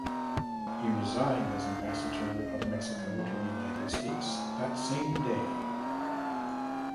He resigned as Ambassador of Mexico to the United States that same day.